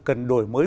cần đổi mới